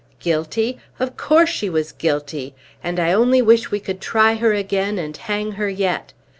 Guilty? Of course she was guilty; and I only wish we could try her again and hang her yet!